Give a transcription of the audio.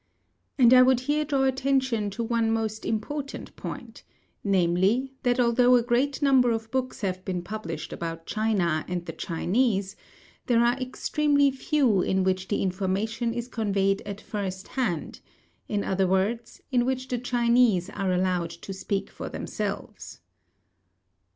And I would here draw attention to one most important point; namely, that although a great number of books have been published about China and the Chinese, there are extremely few in which the information is conveyed at first hand; in other words, in which the Chinese are allowed to speak for themselves.